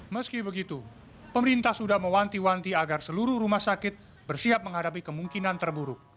meski begitu pemerintah sudah mewanti wanti agar seluruh rumah sakit bersiap menghadapi kemungkinan terburuk